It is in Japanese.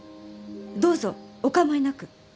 どうぞお構いなく。